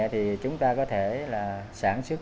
thì chúng ta có thể là sản xuất